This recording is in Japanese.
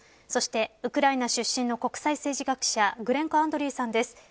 そして、ウクライナ出身の国際政治学者グレンコ・アンドリーさんです。